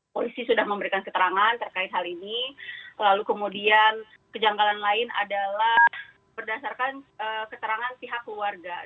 polisi sudah memberikan keterangan terkait hal ini lalu kemudian kejanggalan lain adalah berdasarkan keterangan pihak keluarga